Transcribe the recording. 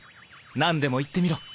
何でも言ってみろ。